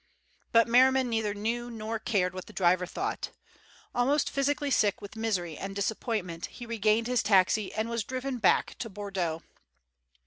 But Merriman neither knew nor cared what the driver thought. Almost physically sick with misery and disappointment, he regained his taxi and was driven back to Bordeaux.